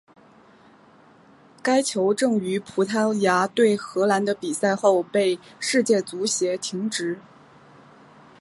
该球证于葡萄牙对荷兰的比赛后被世界足协停职。